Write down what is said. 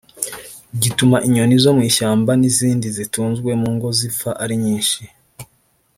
gituma inyoni zo mu ishyamba n’izindi zitunzwe mu ngo zipfa ari nyinshi